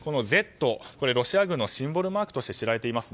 ロシア軍のシンボルマークとして知られています